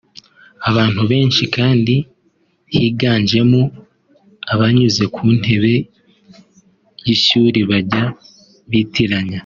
Abantu benshi kandi higanjemo abanyuze ku ntebe y’ishuri bajya bitiranya